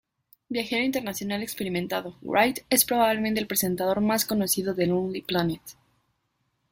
Viajero internacional experimentado, Wright es probablemente el presentador más conocido de "Lonely Planet".